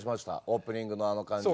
オープニングのあの感じ。